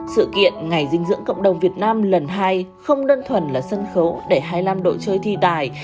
sự kiện ngày dinh dưỡng cộng đồng việt nam lần hai không đơn thuần là sân khấu để hai mươi năm đội chơi thi tài